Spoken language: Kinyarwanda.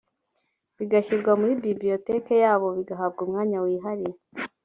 bigashyirwa muri bibliotheque yabo bigahabwa umwanya wihariye